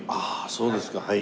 そうですかはい。